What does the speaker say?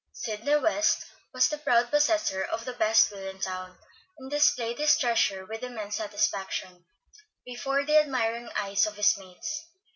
Sidney West was the proud possessor of the best wheel in town, and displayed his treasure with immense satisfaction before the admiring eyes of his mates.